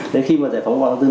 đến khi mà giải phóng mặt bằng